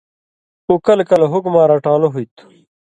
اُو کلہۡ کلہۡ حُکُماں رٹان٘لو ہُوئ تُھو،